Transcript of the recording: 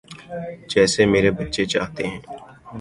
جیسے میرے بچے چاہتے ہیں۔